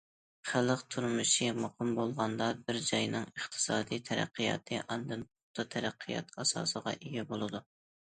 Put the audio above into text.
خەلق تۇرمۇشى مۇقىم بولغاندا، بىر جاينىڭ ئىقتىسادىي تەرەققىياتى ئاندىن پۇختا تەرەققىيات ئاساسىغا ئىگە بولىدۇ.